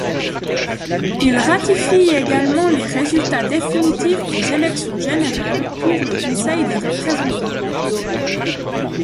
Il ratifie également les résultats définitifs des élections générales pour le Conseil des représentants.